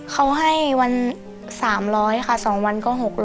เขาให้วัน๓๐๐ค่ะ๒วันก็๖๐๐